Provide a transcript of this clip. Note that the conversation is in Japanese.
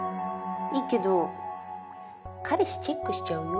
いいけど彼氏チェックしちゃうよ